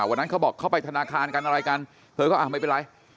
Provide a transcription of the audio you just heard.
วันนั้นเขาบอกเข้าไปธนาคารกันอะไรกันเธอก็อ่าไม่เป็นไร